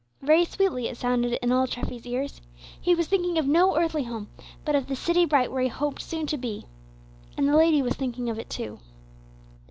Very sweetly it sounded in old Treffy's ears. He was thinking of no earthly home, but of "the city bright," where he hoped soon to be. And the lady was thinking of it too.